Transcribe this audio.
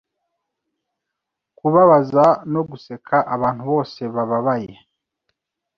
kubabaza no guseka abantu bose bababaye?